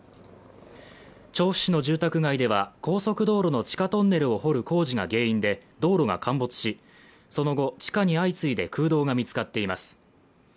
調布市の住宅街では高速道路の地下トンネルを掘る工事が原因で道路が陥没し、その後地下に相次いで空洞が見つかっています。